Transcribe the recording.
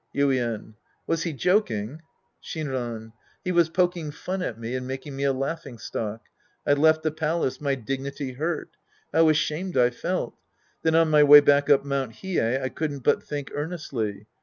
Yuien. Was he joking ? Shinran. He was poking fun at me and making me a laughing stock. I left the palace, my dignity hurt. How ashamed I felt ! Then on my way back up Mt. Hiei, I couldn't but think earnestly.